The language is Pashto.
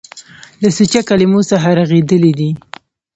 له سوچه کلمو څخه رغېدلي دي.